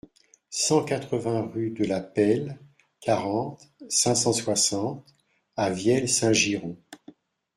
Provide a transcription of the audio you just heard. cent quatre-vingts rue de Paile, quarante, cinq cent soixante à Vielle-Saint-Girons